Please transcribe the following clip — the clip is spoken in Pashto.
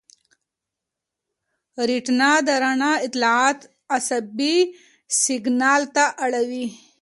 ریټینا د رڼا اطلاعات عصبي سېګنال ته اړوي.